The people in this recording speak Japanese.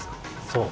そう。